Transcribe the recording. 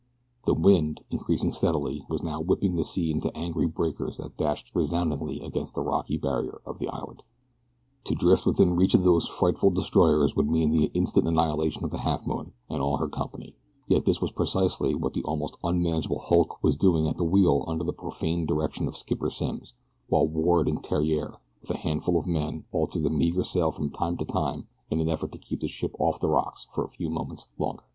The wind, increasing steadily, was now whipping the sea into angry breakers that dashed resoundingly against the rocky barrier of the island. To drift within reach of those frightful destroyers would mean the instant annihilation of the Halfmoon and all her company, yet this was precisely what the almost unmanageable hulk was doing at the wheel under the profane direction of Skipper Simms, while Ward and Theriere with a handful of men altered the meager sail from time to time in an effort to keep the ship off the rocks for a few moments longer.